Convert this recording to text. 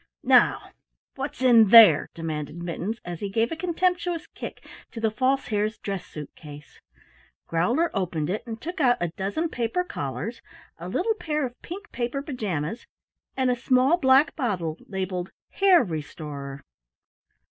"Now, what's in there," demanded Mittens, as he gave a contemptuous kick to the False Hare's dress suit case. Growler opened it and took out a dozen paper collars, a little pair of pink paper pajamas, and a small black bottle labeled "Hare Restorer."